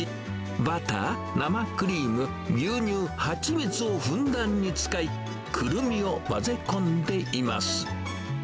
バター、生クリーム、牛乳、蜂蜜をふんだんに使い、クルミを混ぜ込んでいます。